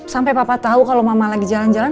sampai papa tahu kalau mama lagi jalan jalan